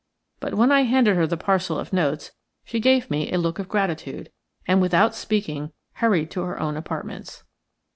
But when I handed her the parcel of notes she gave me a look of gratitude, and without speaking hurried to her own apartments.